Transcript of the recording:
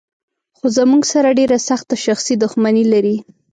خو زموږ سره ډېره سخته شخصي دښمني لري.